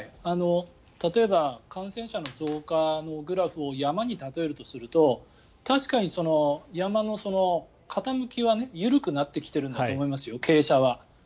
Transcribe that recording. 例えば感染者の増加のグラフを山に例えるとすると確かに山の傾きは緩くなってきているんだと思いますよ、傾斜は。